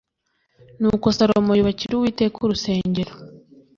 Nuko Salomo yubakira Uwiteka urusengero